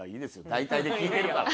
大体で聞いてるから。